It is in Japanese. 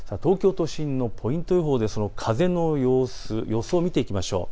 東京都心のポイント予報でその風の様子、予想を見ていきましょう。